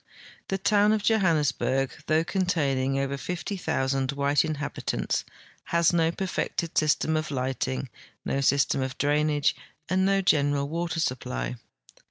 The toAvn of Johannesburg, though containing over 50,000 Avhite inhabitants, has no perfected system of lighting, no system of drainage, and no general Avater supply.